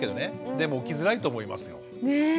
でも起きづらいと思いますよ。ね！